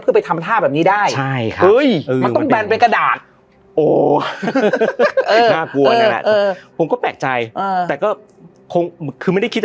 เพื่อไปทำท่าแบบนี้ได้ใช่ค่ะเอ้ยมันต้องแบนเป็นกระดาษโอ้